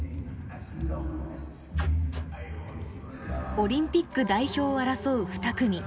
オリンピック代表を争う２組。